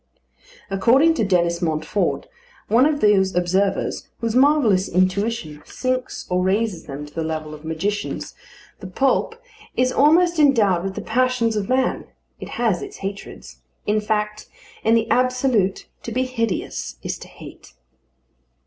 According to Denis Montfort, one of those observers whose marvellous intuition sinks or raises them to the level of magicians, the poulp is almost endowed with the passions of man: it has its hatreds. In fact, in the Absolute to be hideous is to hate.